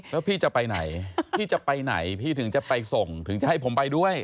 แล้วพี่จะไปไหนพี่จะไปไหนพี่ถึงจะไปส่งถึงจะให้ผมไปด้วย